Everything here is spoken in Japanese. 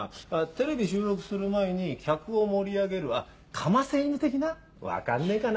テレビ収録する前に客を盛り上げるあっ噛ませ犬的な？分かんないかな？